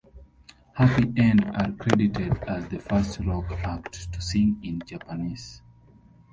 Happy End are credited as the first rock act to sing in Japanese.